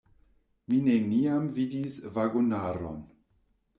Mi neniam vidis vagonaron.